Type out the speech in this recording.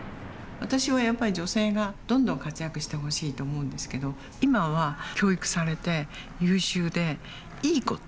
私はやっぱり女性がどんどん活躍してほしいと思うんですけど今は教育されて優秀で「いい子」っていうのが多いのよ。